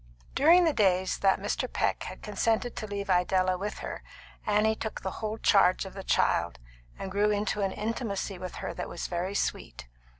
During the days that Mr. Peck had consented to leave Idella with her Annie took the whole charge of the child, and grew into an intimacy with her that was very sweet.